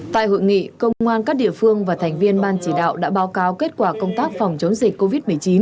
tại hội nghị công an các địa phương và thành viên ban chỉ đạo đã báo cáo kết quả công tác phòng chống dịch covid một mươi chín